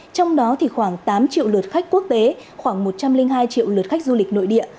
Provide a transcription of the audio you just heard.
trong đó khoảng tám triệu lượt khách quốc tế khoảng một trăm linh hai triệu lượt khách du lịch nội địa